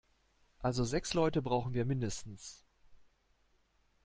Also sechs Leute brauchen wir mindestens.